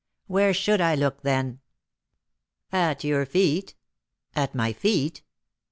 "Where should I look, then?" "At your feet." "At my feet?"